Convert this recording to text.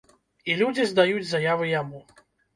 І людзі здаюць заявы яму.